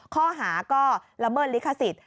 ข้อหาก็ละเมิดลิขสิทธิ